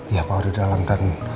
iya pak udah dalam dan